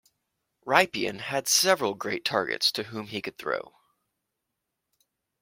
Rypien had several great targets to whom he could throw.